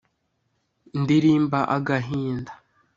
ndirimba agahinda